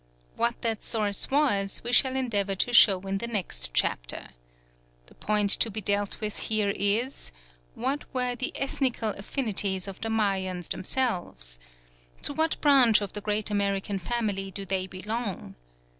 What that source was we shall endeavour to show in the next chapter. The point to be dealt with here is, What were the ethnical affinities of the Mayans themselves? To what branch of the great American family do they belong?